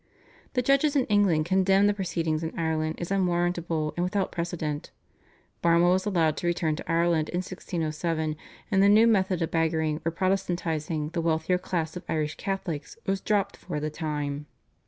The judges in England condemned the proceedings in Ireland as unwarrantable and without precedent. Barnewall was allowed to return to Ireland in 1607, and the new method of beggaring or Protestantising the wealthier class of Irish Catholics was dropped for the time.